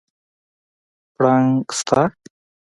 پړانګ شته؟